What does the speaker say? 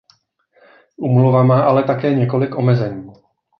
Úmluva má ale také několik omezení.